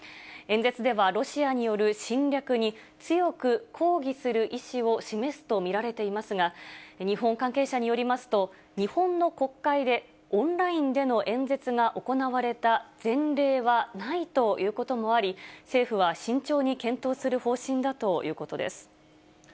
演説ではロシアによる侵略に強く抗議する意志を示すと見られていますが、日本関係者によりますと、日本の国会でオンラインでの演説が行われた前例はないということもあり、政府は慎重に検討する方針だということです。